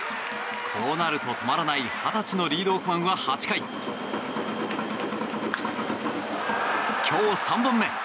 こうなると止まらない二十歳のリードオフマンは８回今日３本目！